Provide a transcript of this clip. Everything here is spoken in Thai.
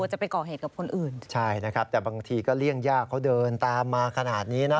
จะไปก่อเหตุกับคนอื่นใช่นะครับแต่บางทีก็เลี่ยงยากเขาเดินตามมาขนาดนี้นะ